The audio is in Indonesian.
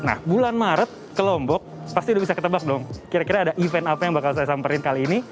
nah bulan maret ke lombok pasti udah bisa ketebak dong kira kira ada event apa yang bakal saya samperin kali ini